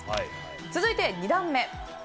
続いて２段目。